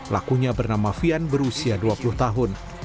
lakunya bernama fian berusia dua puluh tahun